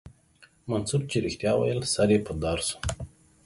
منصور چې رښتيا ويل سر يې په دار سو.